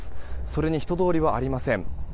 それに人通りはありません。